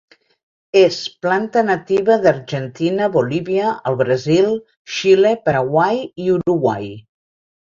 És planta nativa d'Argentina, Bolívia, el Brasil, Xile, Paraguai i Uruguai.